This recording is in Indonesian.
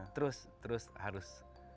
terus terus harus